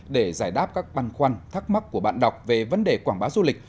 để giải đáp các băn khoăn thắc mắc của bạn đọc về vấn đề quảng bá du lịch